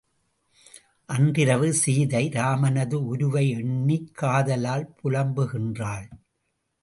அன்றிரவு சீதை இராமனது உருவை எண்ணிக் காதலால் புலம்புகின்றாள்.